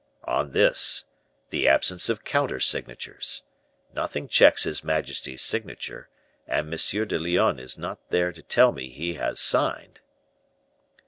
"On this: the absence of counter signatures. Nothing checks his majesty's signature; and M. de Lyonne is not there to tell me he has signed."